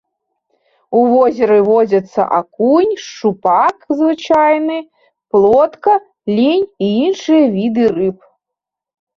У возеры водзяцца акунь, шчупак звычайны, плотка, лінь і іншыя віды рыб.